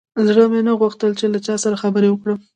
زړه مې نه غوښتل چې له چا سره خبرې وکړم.